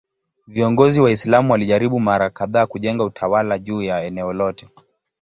Viongozi Waislamu walijaribu mara kadhaa kujenga utawala juu ya eneo lote.